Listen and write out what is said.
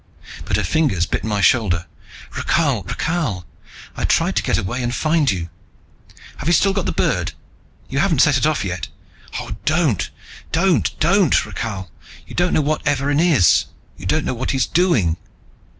But her fingers bit my shoulder. "Rakhal, Rakhal, I tried to get away and find you. Have you still got the bird? You haven't set it off yet? Oh, don't, don't, don't, Rakhal, you don't know what Evarin is, you don't know what he's doing."